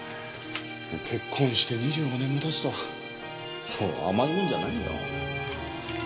結婚して２５年も経つとそう甘いもんじゃないよ。